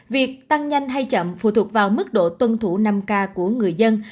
việc tăng nhanh hay chậm phụ thuộc vào mức độ tuân thủ năm k của người dân